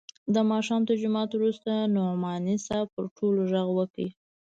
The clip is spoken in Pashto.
د ماښام تر جماعت وروسته نعماني صاحب پر ټولو ږغ وکړ.